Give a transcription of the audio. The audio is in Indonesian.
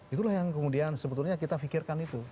itulah yang kemudian sebetulnya kita pikirkan itu